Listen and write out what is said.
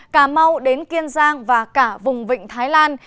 cà mau đến kiên giang và cả vùng vịnh thái lan